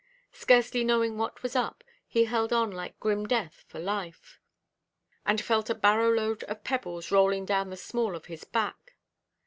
Scarcely knowing what was up, he held on like grim death for life, and felt a barrowload of pebbles rolling down the small of his back.